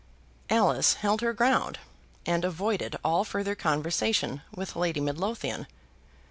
Alice held her ground, and avoided all further conversation with Lady Midlothian.